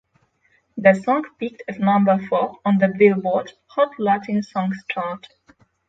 The song peaked at number four on the "Billboard" Hot Latin Songs chart.